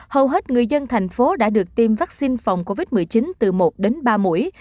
hầu hết người dân thành phố đã được tiêm vaccine phòng covid một mươi chín từ một đến ba mũi